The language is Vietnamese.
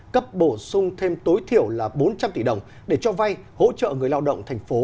cấp bổ sung thêm tối thiểu là bốn trăm linh tỷ đồng để cho vay hỗ trợ người lao động thành phố